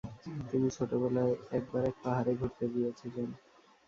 তিনি ছোটবেলায় একবার এক পাহাড়ে ঘুরতে গিয়েছিলেন।